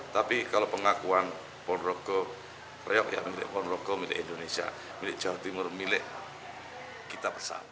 tapi kalau pengakuan ponorogo reok ya milik ponorogo milik indonesia milik jawa timur milik kita bersama